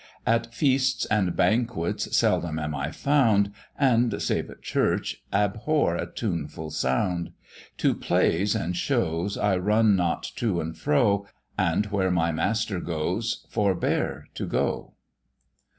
"At feasts and banquets seldom am I found, And (save at church) abhor a tuneful sound; To plays and shows I run not to and fro, And where my master goes, forbear to go."